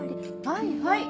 はいはい。